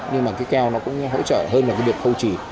nhưng mà cái keo nó cũng hỗ trợ hơn là cái việc khâu chỉ